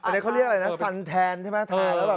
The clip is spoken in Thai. ไปตัดแดด